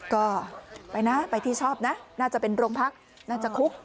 ก็ไปนะไปที่ชอบนะน่าจะเป็นโรงพักน่าจะคุก